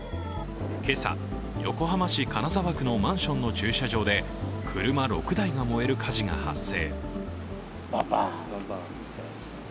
今朝、横浜市金沢区のマンションの駐車場で、車６台が燃える火事が発生。